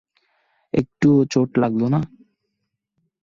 একটুও চোট লাগলো না!